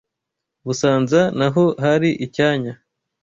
Busanza naho hari icyanya